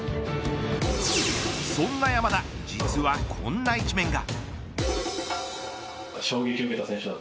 そんな山田実は、こんな一面が。